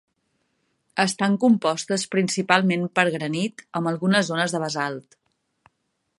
Estan compostes principalment per granit amb algunes zones de basalt.